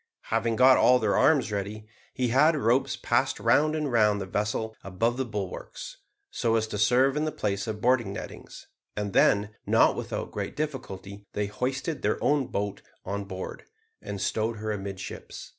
Having got all their arms ready, he had ropes passed round and round the vessel above the bulwarks, so as to serve in the place of boarding nettings, and then, not without great difficulty, they hoisted their own boat on board, and stowed her amidships.